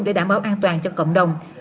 để đảm bảo an toàn cho cộng đồng